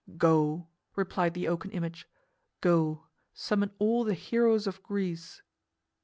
"Go," replied the oaken image, "go, summon all the heroes of Greece."